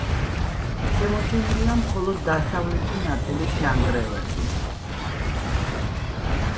შემორჩენილია მხოლოდ დასავლეთი ნაწილის ნანგრევები.